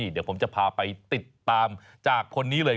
เดี๋ยวผมจะพาไปติดตามจากคนนี้เลย